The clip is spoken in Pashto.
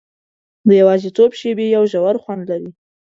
د یوازیتوب شېبې یو ژور خوند لري.